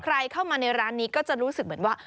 ใครเข้ามาในร้านนี้ก็จะรู้สึกเหมือนว่า